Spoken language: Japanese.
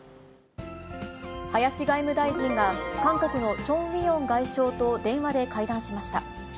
林外務大臣が、韓国のチョン・ウィヨン外相と電話で会談しました。